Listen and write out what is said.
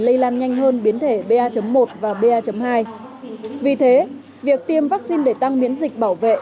lây lan nhanh hơn biến thể ba một và ba hai vì thế việc tiêm vaccine để tăng miễn dịch bảo vệ